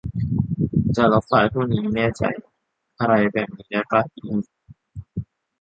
"จะลบไฟล์พวกนี้ แน่ใจ๊ ?" อะไรแบบนี้ได้ป่ะ อิอิ